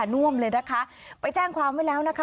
น่วมเลยนะคะไปแจ้งความไว้แล้วนะคะ